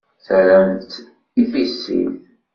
Terramt-tt i tissit.